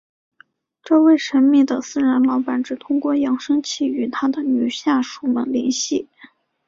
这位神秘的私人老板只通过扬声器与他的女下属们联系。